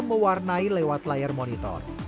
mewarnai lewat layar monitor